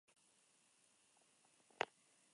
Es la secuela de la Tumba del Faraón.